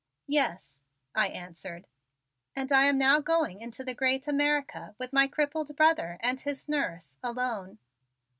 "Yes," I answered. "And I am now going into the great America with my crippled brother and his nurse alone.